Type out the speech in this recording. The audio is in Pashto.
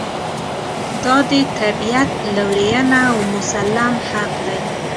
دا د طبعیت لورېینه او مسلم حق دی.